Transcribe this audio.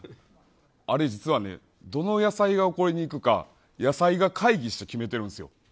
あれ実はねどの野菜が怒りに行くか野菜が会議して決めてるんすよ。